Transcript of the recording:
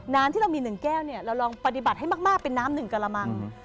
น้ำที่เรามีหนึ่งแก้วเราลองปฏิบัติให้มากเป็นน้ำหนึ่งกรรมมัง